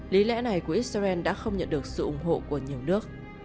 lý lẽ này của israel đã không nhận được sự ủng hộ của nhiều nước